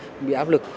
không bị áp lực